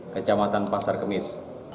kecamatan pasar kemis